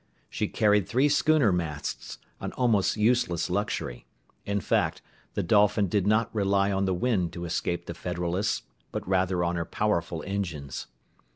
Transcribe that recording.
She carried three schooner masts, an almost useless luxury; in fact, the Dolphin did not rely on the wind to escape the Federalists, but rather on her powerful engines.